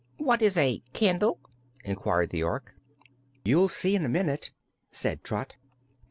"What is a candle?" inquired the Ork. "You'll see in a minute," said Trot.